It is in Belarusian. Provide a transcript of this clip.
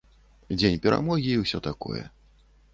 Дзень перамогі, і ўсё такое.